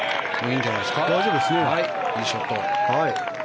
いいショット。